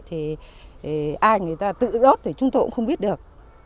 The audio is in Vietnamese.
thì ai người ta tự rốt thì chúng tôi cũng không biết được